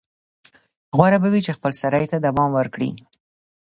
غوره به وي چې خپلسرۍ ته دوام ورکړي.